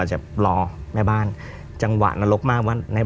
จะรอแม่บ้านจังหวะนรกมากว่า